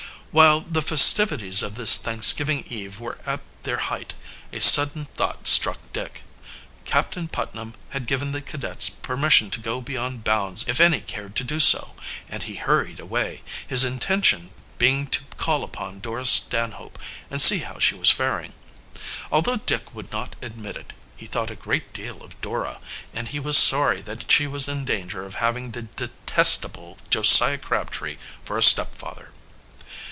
While the festivities of this Thanksgiving Eve were at their height, a sudden thought struck Dick. Captain Putnam had given the cadets permission to go beyond bounds if any cared to do so, and he hurried away, his intention being to call upon Dora Stanhope and see how she was faring. Although Dick would not admit it, he thought a great deal of Dora, and he was sorry that she was in danger of having the detestable Josiah Crabtree for a stepfather.